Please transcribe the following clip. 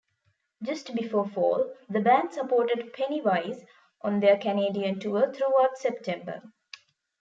Just before fall, the band supported Pennywise on their Canadian tour throughout September.